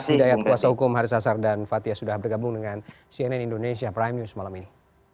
hidayat kuasa hukum haris asar dan fathia sudah bergabung dengan cnn indonesia prime news malam ini